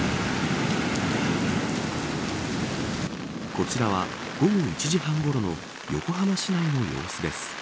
こちらは午後１時半ごろの横浜市内の様子です。